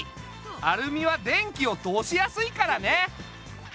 アルミは電気を通しやすいからね。